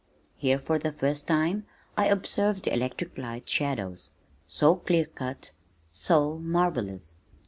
Here for the first time, I observed the electric light shadows, so clear cut, so marvellous.